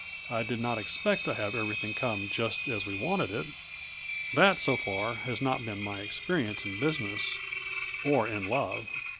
I did not expect to have everything come just as we wanted it; that, so far, has not been my experience in business or in love."